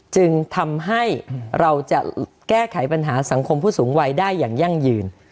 จึงทำให้เราจะแก้ไขปัญหาสังคมผู้สูงวัยได้อย่างยั่งยืน